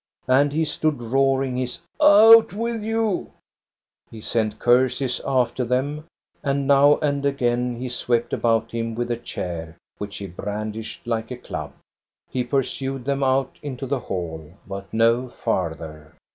And he stood, roaring his Out with you !" He sent curses after them, and now and again he swept about him with a chair, which he brandished like a club. He pursued them out into the hall, but no farther.